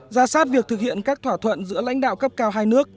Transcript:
ra sát việc thực hiện các thỏa thuận giữa lãnh đạo cấp cao hai nước